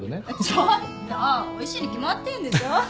ちょっとおいしいに決まってんでしょ。